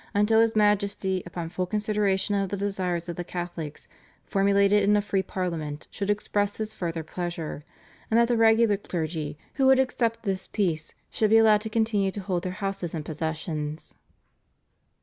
until his Majesty upon full consideration of the desires of the Catholics, formulated in a free Parliament, should express his further pleasure; and that the regular clergy who would accept this peace should be allowed to continue to hold their houses and possessions.